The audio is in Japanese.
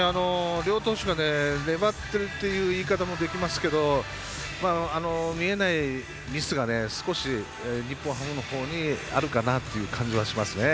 両投手が粘ってるっていう言い方もできますけど見えないミスが少し日本ハムのほうにあるかなという感じがしますね。